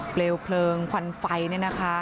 เหลวเฟลงควันไฟนั่นนะคะ